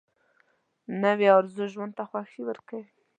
نوې ارزو ژوند ته خوښي ورکوي